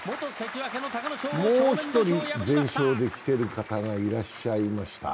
もう１人、全勝で来てる方がいらっしゃいました。